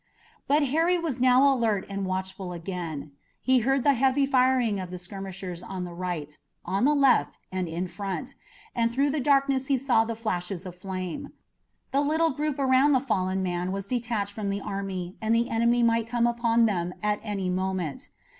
But Harry was now alert and watchful again. He heard the heavy firing of the skirmishers on the right, on the left, and in front, and through the darkness he saw the flashes of flame. The little group around the fallen man was detached from the army and the enemy might come upon them at any moment.